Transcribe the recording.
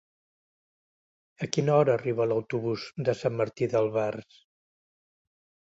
A quina hora arriba l'autobús de Sant Martí d'Albars?